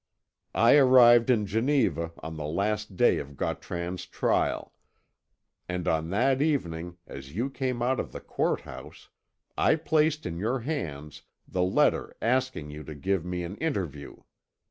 I arrived in Geneva on the last day of Gautran's trial; and on that evening, as you came out of the court house, I placed in your hands the letter asking you to give me an interview.